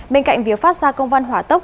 bên cạnh việc phát ra công văn hóa tốc